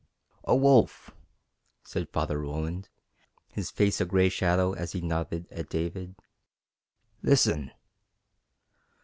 "A wolf!" said Father Roland, his face a gray shadow as he nodded at David. "Listen!"